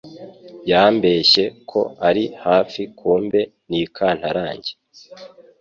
Yambeshye ko ari hafi kumbi n' ikantarange